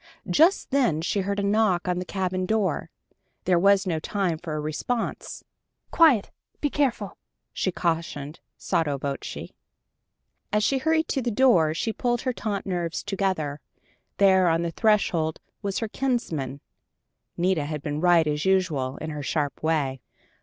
Just then she heard a knock on the cabin door. There was no time for a response. "Quiet! Be careful!" she cautioned, sotto voce. As she hurried to the door, she pulled her taut nerves together. There on the threshold was her kinsman: Nita had been right as usual, in her sharp way.